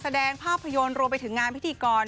ภาพยนตร์รวมไปถึงงานพิธีกร